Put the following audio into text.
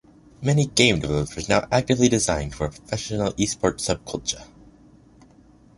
Many game developers now actively design toward a professional eSport subculture.